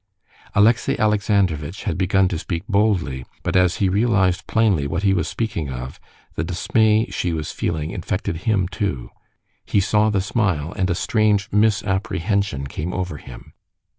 Alexey Alexandrovitch had begun to speak boldly, but as he realized plainly what he was speaking of, the dismay she was feeling infected him too. He saw the smile, and a strange misapprehension came over him.